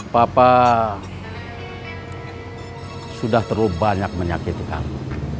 papa sudah terlalu banyak menyakiti kami